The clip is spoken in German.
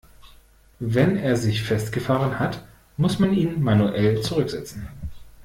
Wenn er sich festgefahren hat, muss man ihn manuell zurücksetzen.